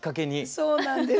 そうなんです。